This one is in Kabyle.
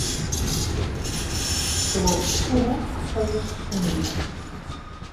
Tesleɣ Sekkura axxam-is s tumlilt.